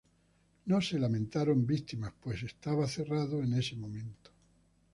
No se lamentaron víctimas, pues estaba cerrado en ese momento.